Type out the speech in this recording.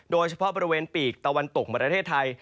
โดยเฉพาะบริเวณปีกตะวันตกของประเทศไทย